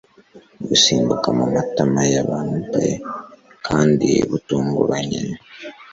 gusimbuka mumatama ya maple kandi butunguranye